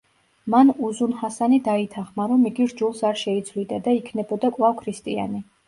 მან უზუნ-ჰასანი დაითანხმა, რომ იგი რჯულს არ შეიცვლიდა და იქნებოდა კვლავ ქრისტიანი.